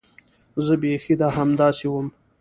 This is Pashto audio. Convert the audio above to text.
زه بيخي همداسې وم.